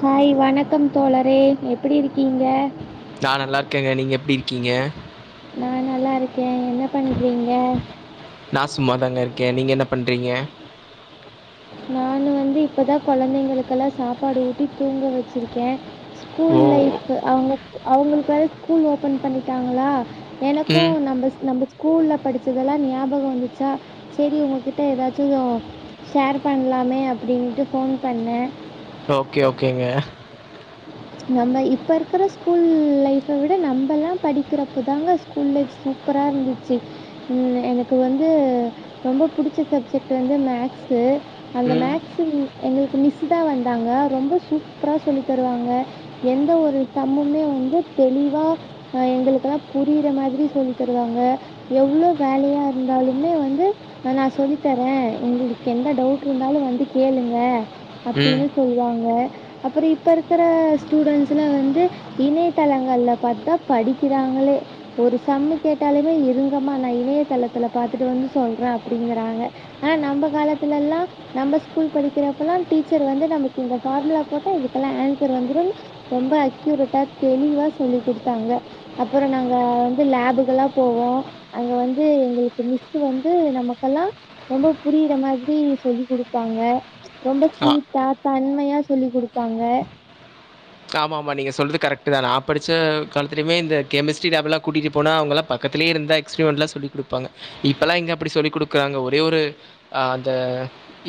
Hi வணக்கம் தோழரே எப்படி இருக்கீங்க நா நல்லாருக்கேங்க நீங்க எப்டி இருக்கீங்க நா நல்லாருக்கே என்ன பண்றீங்க நா சும்மாாதாங்க இருக்கே நீங்க என்ன பண்றீங்க நானு வந்து இப்பதா கொழந்தைங்களுக்கெல்லா சாப்பாடு ஊட்டி தூங்க வச்சிருக்கே ஸ்கூல் ஓ லைஃபு அவுங்க அவுங்களுக்கு வேற ஸ்கூல் ஓப்பன் பண்ணிட்டாங்களா ம் எனக்கும் நம்ப நம்ப ஸ்கூல்ல படிச்சதெல்லா ஞாபக வந்துச்சா சேரி உங்கக்கிட்ட ஏதாச்சு ஷேர் பண்லாமே அப்டின்ட்டு ஃபோன் பண்ண ஓகே ஓகேங்க நம்ம இப்ப இருக்கற ஸ்கூல் லைஃப விட நம்பள்லா படிக்கிறப்ப தாங்க ஸ்கூல் லைஃப் சூப்பரா இருந்துச்சு எனக்கு வந்து ரொம்ப புடுச்ச சப்ஜெக்ட் வந்து மேக்ஸு அந்த ம் மேக்ஸு எங்ளுக்கு மிஸ்ஸு தா வந்தாங்க ரொம்ப சூப்ரா சொல்லி தருவாங்க எந்த ஒரு சம்முமே வந்து தெளிவா அ எங்களுக்கெல்லா புரியிற மாதிரி சொல்லி தருவாங்க எவ்ளோ வேலையா இருந்தாலுமே வந்து நா சொல்லி தரே உங்ளுக்கு எந்த டவுட் இருந்தாலு வந்து கேளுங்க ம் அப்டின்னு சொல்வாங்க அப்புறொ இப்ப இருக்குற ஸ்டூடெண்ட்ஸுலா வந்து இணையதளங்கள்ல பாத்தா படிக்கிறாங்களே ஒரு சம்மு கேட்டாலுமே இருங்கமா நா இணையதளத்துல பாத்துட்டு வந்து சொல்றே அப்புடிங்குறாங்க ஆ நம்ப காலத்துலல்லா நம்ப ஸ்கூல் படிக்கிறப்பலா டீச்சர் வந்து நமக்கு இந்த ஃபார்முலா போட்டா இதுக்கெல்லா ஆன்சர் வந்துரும் ரொம்ப அக்யூரேட்டா தெளிவா சொல்லி குடுத்தாங்க அப்பறொ நாங்க வந்து லேபுக்கல்லா போவோ அங்க வந்து எங்களுக்கு மிஸ்ஸு வந்து நமக்கல்லா ரொம்ப புரியிற மாதிரி சொல்லி் குடுப்பாங்க ரொம்ப ஆ ஸ்வீட்டா தன்மையா சொல்லி குடுப்பாங்க ஆமாமா நீங்க சொல்றது கரெட் டுதா நா படுச்ச காலத்துலைமே இந்த கெமிஸ்ட்ரி லேபுல்லா கூட்டிட்டு போனா அவுங்களா பக்கத்துலே இருந்தூதா எக்ஸ்ப்ரிமெண்ட்லா சொல்லி குடுப்பாங்க இப்பல்லா எங்க அப்டி சொல்லி் குடுக்குறாங்க ஒரே ஒரு ஆ‌ அந்த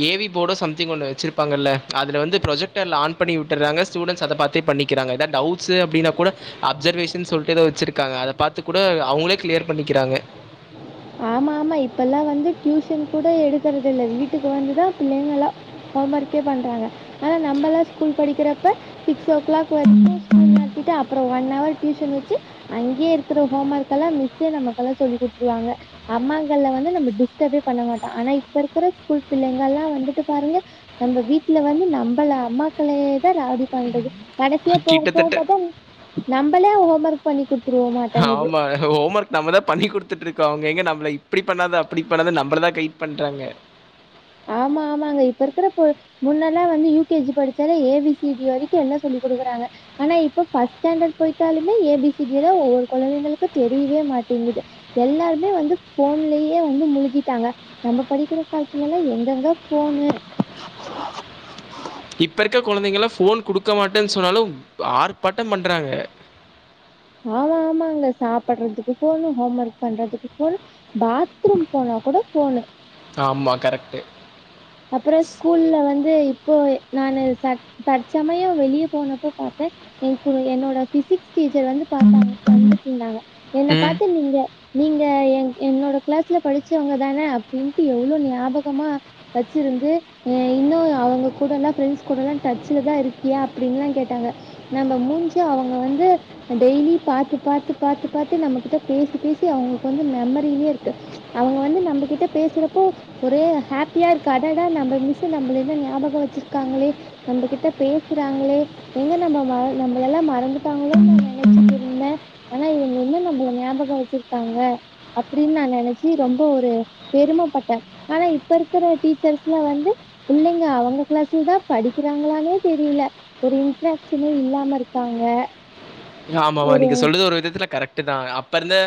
ஏ வி போடோ சம்திங் ஒன்னு வச்சுருப்பாங்கல்ல அதுல வந்து ப்ரொஜெக்டர்ல ஆன் பண்ணி விட்டுர்றாங்க ஸ்டூடன்ட்ஸ் அத பாத்தே பண்ணிக்கிறாங்க எதா டவுட்ஸு அப்டினா கூட அப்சர்வேஷன் சொல்ட்டு எதோ வச்சுருக்காங்க அத பாத்து கூட அவுங்களே கிளியர் பண்ணிக்கிறாங்க [unintelligible] ஆமாமா இப்பல்லா வந்து டியூஷன் கூட எடுக்கறதில்ல வீட்டுக்கு வந்துதா பிள்ளைங்களா ஹோமர்க்கே பண்றாங்க ஆனா நம்பல்லா ஸ்கூல் படிக்கிறப்ப சிக்ஸ் ஓ கிளாக் வரைக்கு ஸ்கூல் நடத்திட்டு அப்றொ ஒன் அவர் டியூஷன் வச்சு அங்யே இருக்குற ஹோம் ஒர்க் எல்லா மிஸ்ஸே நமக்கல்லா சொல்லி குடுத்துருவாங்க அம்மாங்கள்ரல வந்து நம்ம டிஸ்டபே பண்ண மாட்டோ ஆனா இப்ப இருக்குற ஸ்கூல் பிள்ளைங்கள்லா வந்துட்டு பாருங்க நம்ப வீட்ல வந்து நம்பள அம்மாக்களையே தா ராவடி பண்றது கடசியா போக போகப் கிட்டத்தட்ட. பாத்தா நம்பளே‌ ஹோம் ஒர்க் பண்ணி குடுத்துருவோ மாட்டேங்குது ஹோம் ஒர்க் நம்ம தா பண்ணிகுடுத்துட்ருக்கோ அவுங்க எங்க நம்ள இப்டி பண்ணாத அப்பிடி பண்ணாதன் நம்மள தா கைட் பண்றாங்க ஆமா ஆமாங்க இப்ப இருக்குற ப முன்னெல்லா வந்து யூ கே ஜி படிச்சாலே ஏ பி சி டி வரைக்கு எல்லா சொல்லி் குடுக்குறாங்க ஆனா இப்ப ஃப்ஸ்ட்‌ ஸ்டாண்டட் போயிட்டாலுமே ஏ பி சி டி லா ஒவ்வொரு கொழந்தைங்களுக்கு தெரியவே மாட்டேங்கிது எல்லாருமே வந்து ஃபோன்லயே வந்து முழுகிட்டாங்க நம்ம படிக்கிற கால த்துலல்லா எங்கங்க ஃபோனு இப்ப இருக்க கொழந்தைங்களா ஃபோன் குடுக்க மாட்டேன் சொன்னாலு ஆர்ப்பாட்டம் பண்றாங்க ஆமாமாங்க சாப்புட்றதுக்கு ஃபோனு ஹோம் ஒர்க் பண்றதுக்கு ஃபோனு பாத்ரூம் போனா கூட ஃபோனு ஆமா கரெக்ட்டு அப்புறொ ஸ்கூல்ல வந்து இப்போ நானு‌ ச தற்சமயொ வெளிய போனப்போ பாத்தே என் கு என்னோட பிசிக்ஸ் டீச்சர் வந்து பாத்தாங்க வந்துட்ருந்தாங்க என்ன ம். பாத்து நீங்க நீங்க எ என்னோட கிளாஸ்ல படிச்சவுங்க தானே அப்டின்ட்டு எவ்ளோ ஞாபகமா வச்சிருந்து அ இன்னு அவுங்க கூடல்லா ஃப்ரெண்ட்ஸ் கூடல்லா டச்சுல தா இருக்கியா அப்டின்லா கேட்டாங்க நம்ம மூடிஞ்சு அவங்க வந்து டெய்லி பாத்து பாத்து பாத்து பாத்து நம்ம கிட்ட பேசி பேசி அவங்களுக்கு வந்து மெமரிலேயே இருக்கு அவங்க வந்து நம்மகிட்ட பேசுறப்போ ஒரே ஹாப் பியா இருக்க அதடான் நம்ம மிஸ்சு நம்மள இன்னு ஞாபகம் வச்சிருக்காங்களே நம்ம கிட்ட பேசுறாங்களே எங்க நம்ம ம நம்மள எல்லா மறந்துட்டாங்களோனு நான் நினைச்சிட்டு இருந்தேன் ஆனா இவங்க இன்னு நம்மள ஞாபகம் வச்சிருக்காங்க அப்டின்னு நான் நினைச்சு ரொம்ப ஒரு பெருமப்பட்டேன் ஆனா இப் இப்ப இருக்கிற டீச்சர்ஸ்லா வந்து புள்ளைங்க அவங்க கிளாஸ்ல தான் படிக்கிறாங்களானே தெரியல ஒரு இன்ட்ரக்டனே இல்லாம இருக்காங்க ஆமா ஆமா ஒரு நீங்க சொல்லறது ஒரு விதத்துல கரெக்ட் தான் அப்ப இருந்த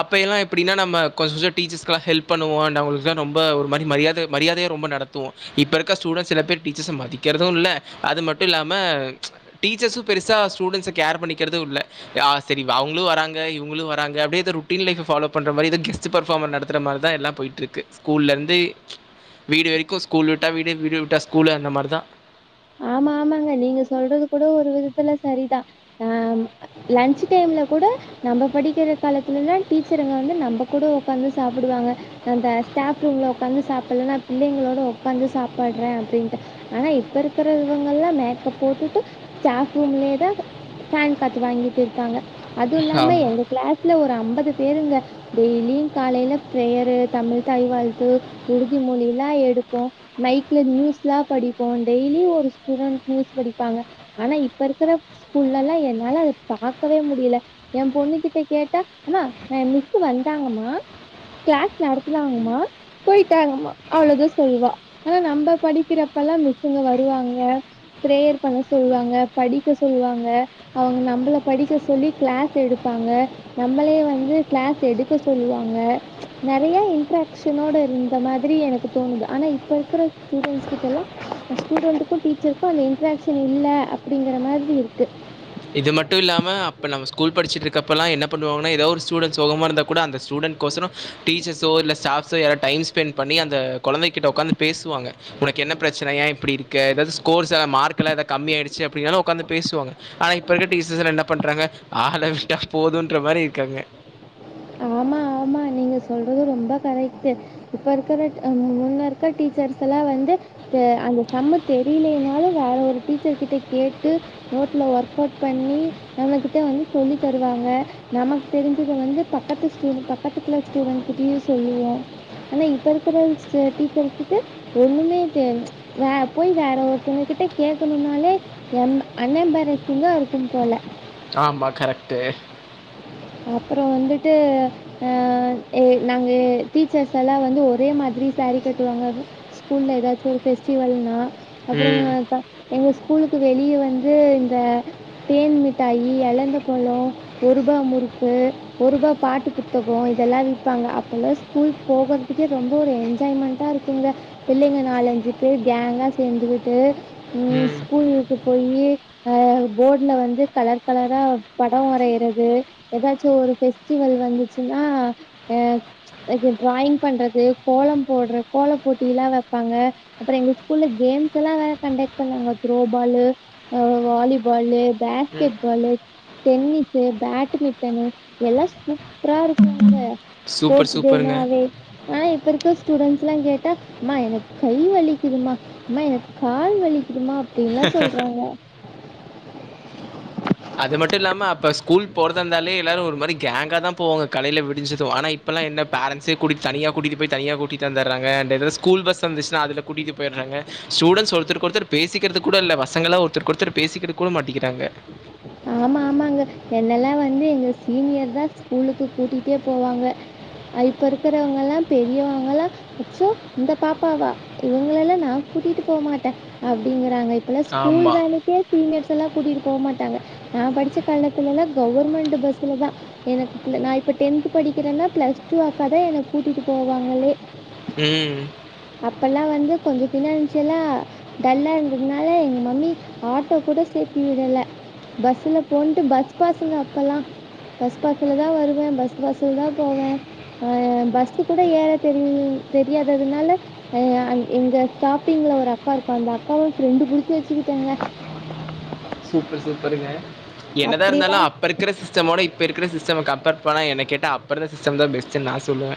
அப்ப எல்லா எப்படினா நம்ம கொஞ்சோ டீச்சர்கேல்லா ஹெல்ப் பண்ணுவோ அண்ட் அவங்களுக்கு எல்லா ரொம்ப ஒரு மாதிரி மரியாத மரியாதையா ரொம்ப நடத்துவோம் இப்ப இருக்க ஸ்டூடண்ட்ஸ் சில பேர் டீச்சர்ஸ் மதிக்கிறதும் இல்ல அது மட்டும் இல்லாம ம்ச் டீச்சர்ஸும் பெருசா ஸ்டூடெண்ட்ஸை கேர் பண்ணிக்கறது இல்ல ஆ செரி அவங்களும் வராங்க இவங்களும் வராங்க அப்படியே ஏதோ ரொட்டின் லைஃப் ஃபாலோ பண்ற மாதிரி ஏதோ கெஸ்ட் பர்ஃபார்மர் நடத்து மாரிதான் எல்லா போய்ட்டுருக்கு ஸ்கூல்லேருந்து வீடு வரைக்கும் ஸ்கூல் விட்டால் வீடு வீடு விட்டா ஸ்கூலு அந்த மாதிரி தான் ஆமா ஆமாங்க நீங்க சொல்றது கூட ஒரு விதத்துல செரிதான் ஆ லஞ்ச் டைம்மில கூட நம்ம படிக்கிற காலத்துல எல்லா டீச்சருங்க வந்து நம்ம கூட உக்காந்து சாப்பிடுவாங்க அந்த ஸ்டாப் ரூம்ல உக்காந்து சாப்பிடல நான் பிள்ளைங்களோட உட்காந்து சாப்பாடுறேன் அப்டின்ட்டு ஆனா இப்ப இருக் கிற இவங்கல்லா மேக்கப் போட்டுட்டு ஸ்டாப் ரூம்லயே தான் ஃபேன் காத்து வாங்கிட்டு இருக்காங்க அதுவு இல்லாம ஆமா. எங்க கிளாஸ்ல ஒரு ஐம்பது பேருங்க டெய்லியும் காலையில பிரேயரு தமிழ் தாய் வாழ்த்து உறுதி மொழியெல்லா எடுப்போம் மைக்ல நியூஸ் எல்லா படிப்போம் டெய்லி ஒரு ஸ்டூடண்ட் நியூஸ் படிப்பாங்க ஆனா இப்ப இருக்கிற ஸ்கூல்ல எல்லா என்னால பாக்கவே முடியல என் பொண்ணுகிட்ட கேட்டா அம்மா என் மிஸ்ஸு வந்தாங்கம்மா கிளாஸ் நடத்துனாங்கம்மா போயிட்டாங்கம்மா அவ்ளோதான் சொல்லுவா ஆனா நம்ம படிக்கிறப்ப எல்லாம் மிஸ்ஸுங்க வருவாங்க பிரேயர் பண்ண சொல்லுவாங்க படிக்க சொல்லுவாங்க அவங்க நம்மள படிக்க சொல்லி கிளாஸ் எடுப்பாங்க நம்மளே வந்து கிளாஸ் எடுக்க சொல்லுவாங்க ம்ச் நெறையா இன்ட்ரா கஷன் இருந்த மாதிரி எனக்கு தோணுது ஆனா இப்ப இருக்கிற ஸ்டடெஸ் கிட்டல்லா ஸ்டூடெண்ட்டக்கும் டீச்சருக்கும் அந்த இன்ட்ராகஷன் இல்ல அப்டிங்கிற மாதிரி இருக்கு இது மட்ட இல்லாம அப்ப நம்ம ஸ்கூல் படிச்சட்டு இருக்கப்போலா என்ன பண்ணுவாங்கா ஏதோ ஒரு ஸ்டூடண்ட் சோகமா இருந்த கூட அந்த ஸ்டூடண்ட் கோசரோ டீச்சர்ஸோ இல்லை ஸ்டாப்ஸோ யார டைம் ஸ்பெண்ட் பண்ணி அந்த குழந்தைகிட்ட உட்காந்து பேசுவாங்க உனக்கு என்ன பிரச்சன ஏ இப்டியிருக்க ஏதாவது ஸ்கோர்ஸ் ஆ மார்க் எல்லா ஏதாது கம்மி ஆயிச்சு அப்டினாலு உட்கார்ந்து பேசுவாங்க ஆனா இப்ப இருக்க டீச்சர்ஸ் எல்லா என்ன பண்றாங்க ஆள விட்டா போதுன்ற மாதிரி இருக்காங்க ஆமா ஆமா நீங்க சொல்றது ரொம்ப கரைட்டு இப்ப இருக்கிற ம் முன்ன இருக்கிற டீச்சர்ஸ் எல்லா வந்து அந்த செம்ம தெரியலனாலும் வேற ஒரு டீச்சர் கிட்ட கேட்டு நோட்ல ஒர்க் அவுட் பண்ணி நம்மகிட்ட வந்து சொல்லி தருவாங்க நமக்கு தெரிஞ்சது வந்து பக்கத்து ஸ்டு பக்கத்து கிளாஸ் ஸ்டுடென்ட் கிட்டயு சொல்லுவோம் ஆனா இப்ப இருக்கிற டீச் டீச்சர்ஸ்க்கு ஒண்ணுமே தெ ம்ச் வே போய் வேற ஒருத்தங்க கிட்ட கேகணும்னாலே எம் அண்ணேம்பரத்திங்கா இருக்கும் போல ஆமா கரெக்ட்டு அப்பறோ வந்துட்டு அ நாங்க டீச்சர்ஸ் எல்லா வந்து ஒரே மாதிரி சேரீ கட்டுவாங்க ஸ்கூல்ல ஏதாச்சு ஒரு பெஸ்டிவல்னா அப்பறோங்க ம் எங்க ஸ்கூலுக்கு வெளிய வந்து இந்த தேன் மிட்டாயி எழந்த பழோ ஒரூபா முறுக்கு ஒரூவா பாட்டு புத்தகோ இதெல்லா விப்பாங்க அப்பல்லா ஸ்கூல் போகுறதுக்கே ரொம்ப ஒரு என்ஜாய்மெண்ட் இருக்குங்க பிள்ளைங்க நாலஞ்சு பேர் கேங்கா சேந்துக்கிட்டு உம் ம் ஸ்கூலுக்கு போயி ஆ போட்ல வந்து கலர் கலரா பட வரையுறது ஏதாச்சு ஒரு பெ ஸ்டிவெல் வந்துச்சுன்னா ஆ டிராயிங் பண்றது கோலம் போடுற கோலப் போட்டி எல்லா வப்பாங்க அப்பறோ எங்க ஸ்கூல்ல கேம்ஸ் எல்லா வேற கண்டக்ட் பண்ணுவாங்க த்ரோ பாலு ஆ வாலி பாலு ம் பேஸ்கெட் பாலு டென்னிஸு பேட்டுமிட்டனு எல்லா சூப்பரா இருக்குங்க சூப்பர் ஸ்போட்ஸ் சூப்பருங்க டேனாவே ஆ இப்ப இருக்க ஸ்டூடெண்ட்ஸ்ல்லா கேட்டா அம்மா எனக்கு கை வலிக்குதும்மா அம்மா எனக்கு கால் வலிக்குதுமா அப்டின்ல்லா சொல்றாங்க அது மட்டு இல்லாம அப்ப ஸ்கூல் போறது இருந்தாலே எல்லாரு ஒரு மாரி கேங்கா தா போவாங்க காலேல விடிஞ்சது ஆனா இப்போலா என்ன பேரண்ஸே கூட்டிட்டு தனியா கூட்டிட்டு போய் தனியா கூட்டிட்டு வந்துருறாங்க அன்டு எதாவது ஸ்கூல் பஸ்ஸு வந்துச்சுன்னா அதுல கூட்டிட்டு போய்டுறாங்க ஸ்டூடென்ஸ் ஒருத்தரூக்கொருத்தர் பேசிக்கிறது கூட இல்ல பசங்களல்லா ஒருத்தருக்கொருத்தர் பேசிக்கிறது கூட மாட்டிக்கிறாங்க ஆமா ஆமாங்க என்னல்லா வந்து எங்க சீனியர் தா ஸ்கூலுக்கு கூட்டிட்டே போவாங்க இப்ப இருக்கிறவங்களா எல்லா பெரியவங்கல்லா ச்சோ இந்த பாப்பாவா இவங்கள எல்லா நா கூட்டிட்டு போகமாட்டே அப்டிங்கறாங்க இப்பல்லா ஸ்கூல் ஆமா. வேனுக்கே சீனியர்ஸ் எல்லா கூட்டிட்டு போக மாட்டாங்க நா படுச்ச காலத்தலல்லா கவர்மெண்டு பஸ்லதா எனக்கு நா இப்ப டென்த் படிக்கிறேன்னா பிளஸ் டூ அக்காதா என்ன கூட்டிட்டு போவாங்களே உம் அப்பல்லா வந்து கொஞ்ச பினான்சியலா டல்லா இருந்ததுனால எங்க மம்மி ஆட்டோ கூட சேர்த்தி விடல பஸ்ல போன்ட்டு பஸ் பாசுங்க அப்பல்லா பஸ் பாசுல தா வருவே பஸ் பாசுல தா போவே அ பஸ்ஸு கூட ஏற தெரிய தெரியாததுனால ஆ எங்க ஸ்டாப்பிங்ல ஒரு அக்கா இருக்கு அந்த அக்காவ ப்ரெண்டு புடிச்சு வச்சுக்கிட்டேங்க சூப்பர் சூப்பர்ங்க என்னதா அப்படிலாம் இருந்தாலு அப்ப இருக்குற சிஸ்டமோட இப்ப இருக்குற சிஸ்டம கம்பேர் பண்ண என்ன கேட்ட அப் அப்ப இருந்த சிஸ்டம்தா பெஸ்ட்டுன்னு நா சொல்லுவே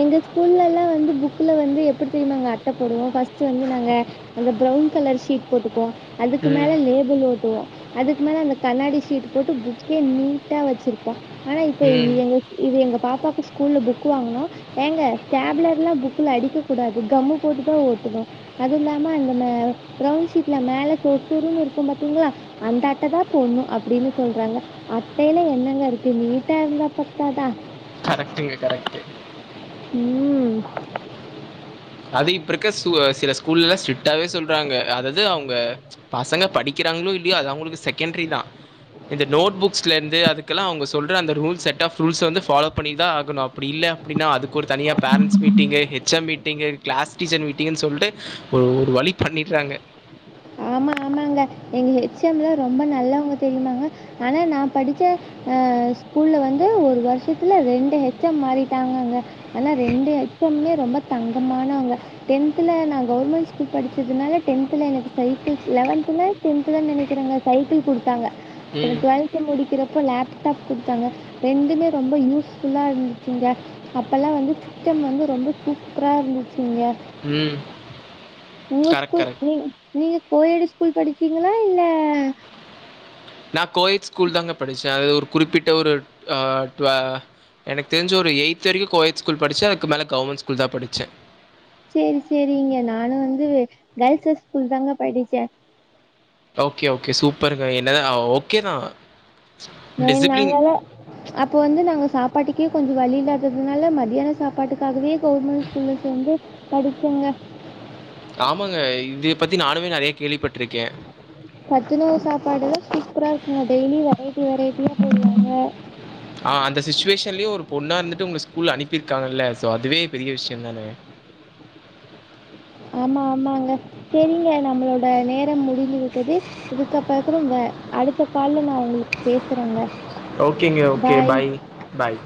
எங்க ஸ்கூல்ல எல்லா வந்து புக்ல வந்து எப்டி தெரியுமாங்க அட்ட போடுவோ ஃபஸ்ட்டு வந்து நாங்க அந்த ப்ரவுன் கலர் ஷீட் போட்டுக்குவோ அதுக்கு மேல ம். லேபிள் ஓட்டுவோ அதுக்கு மேல அந்த கண்ணாடி ஷீட் போட்டு புக்கே நீட் டா வச்சிருப்போ ஆனா இப்ப ம். இது எங்க பாப்பாக்கு ஸ்கூல்ல புக் வாங்குனோ ஏங்க ஸ்டேப்லர் எல்லா புக்ல அடிக்க கூடாது கம்மு போட்டுதா ஒட்டணு அது இல்லாம நம்ம அந்த ப்ரவுன் ஷீட்ல மேல சுருசுருன்னு இருக்கு பாத்தீங்ளா அந்த அட்டதா போடனு அப்டின்னு சொல்றாங்க அட்டையில என்னங்க இருக்கு நீட்டா இருந்தா பத்தாதா கரெக்டுங்க கரெக்டு ம் அது இப்ப இருக்க சில ஸ்கூல்ல ஸ்ட்ரிக்டாவே சொல்றாங்க அதது அவுங்க பசங்க படிக்கிறாங்ளோ இல்லையோ அது அவுங்களுக்கு செகண்டரி தா இந்த நோட் புக்ஸ்லருந்து அதுக்கல்லா அவுங்க சொல்ற அந்த ரூல்ஸ் செட்ஃப் ரூல்ஸ வந்து ஃபாலோ பண்ணி தா ஆகணு அப்டி இல்ல அப்டின்னா அதுக்கு ஒரு தனியா parents meeting H M meeting class teacher மீட்டிங்குன் சொல்ட்டு ஒரு வழி பண்ணிர்றாங்க ஆமா ஆமாங்க எங்க ஹெச் எம் லா ரொம்ப நல்லவங்க தெரியுமாங்க ஆனா நா படிச்ச அ ஸ்கூல்ல வந்து ஒரு வர்ஷத்துல ரெண்டு ஹெச் எம் மாறிட்டாங்கங்க ஆனா ரெண்டு ஹெ எச் மே ரொம்ப தங்கமானவங்க டென்த்துல நா கவர்மெண்ட் ஸ்கூல் படிச்சதுனால டென்த்ல எனக் சைக்கிள் லெவன்த்தல டென்த்ல நெனக்கிறங்க சைக்கிள் குடுத்தாங்க அப்றோ ம். டுவெல்த முடிக்கிறப்போ லேப்டாப் குடுத்தாங்க ரெண்டுமே ரொம்ப யூஸ்ஃபுல்லா இருந்துச்சுங்க அப்பல்லாம் வந்து திட்டம் வந்து ரொம்ப சூப்ரா இருந்துச்சுங்க ம் உங்க கரெக்ட், ஸ்கூல் கரெக்ட். நீங் நீங்க கோயட் ஸ்கூல் படிச்சீங்ளா இல்ல நா கோயட் ஸ்கூல் தாங்க படிச்ச அது ஒரு குறிப்பிட்ட ஒரு எனக்கு தெரிஞ்சி ஒரு எய்த் வரைக்கு கோயட் ஸ்கூல் தா படிச்ச அதுக்கு மேல கவர்மெண்ட் ஸ்கூல் தா படிச்ச செரி செரிங்க நானு வந்து கேர்ள்சஸ் ஸ்கூல் தாங்க படிச்ச ஓகே ஓகே சூப்பருங்க என்னதா ஓகே தா நீ நாங்களா அப்ப வந்து நாங்க சாப்பாட்டுக்கே கொஞ்ச வழி இல்லாததுனால மத்தியான சாப்பாட்டுக்காகவே கவுர்மெண்ட் ஸ்கூல்ல சேந்து படிச்சங்க ஆமாங்க இதே பத்தி நானுமே நறைய கேள்விப்பட்ருக்கே சத்துணவு சாப்பாடுலா சூப்ரா இருக்குங்க டெய்லி வெரைட்டி வெரைட்டியா போடுவாங்க ஆ அந்த சுச்சுவேஷன்லயு ஒரு பொண்ணா இருந்துட்டு உங்க ஸ்கூல் அனுப்பியிருக்காங்கல்ல ஸோ அதுவே பெரிய விஷ்ய தானே ஆமா ஆமாங்க செரிங்க நம்ளோட நேரம் முடிந்து விட்டது இதுக்கப்பக்கறங்க அடுத்த கால்ல நா உங்களுக் பேசுறங்க ஓகேங்க ஓகே பாய் பாய்